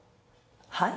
はい？